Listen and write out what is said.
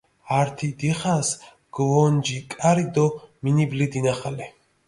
ართ დიხას გჷვონჯი კარი დო მინიბლი დინახალე.